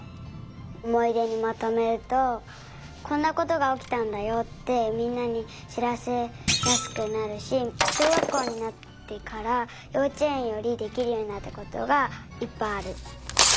おもいでにまとめるとこんなことがおきたんだよってみんなにしらせやすくなるししょうがっこうになってからようちえんよりできるようになったことがいっぱいある。